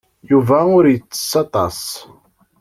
Yuba ur ittess aṭas.